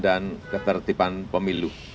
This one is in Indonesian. dan ketertiban pemilu